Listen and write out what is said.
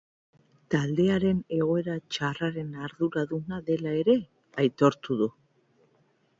Taldearen egoera txarraren arduraduna dela ere, aitortu du.